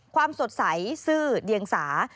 ความสดใสซื้อเดียงสา